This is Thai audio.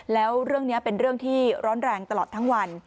แล้วเรื่องนี้เป็นเรื่องที่ร้อนแรงตลอดทั้งวัน